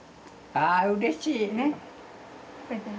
ああうれしい。